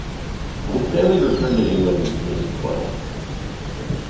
His family returned to England when he was twelve.